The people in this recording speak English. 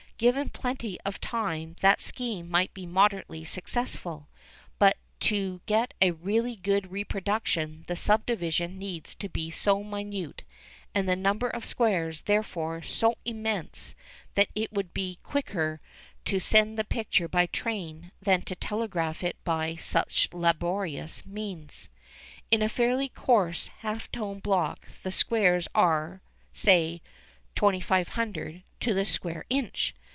Given plenty of time, that scheme might be moderately successful, but to get a really good reproduction the subdivision needs to be so minute, and the number of squares, therefore, so immense, that it would be quicker to send the picture by train than to telegraph it by such laborious means. In a fairly coarse half tone block the squares are, say, 2500 to the square inch.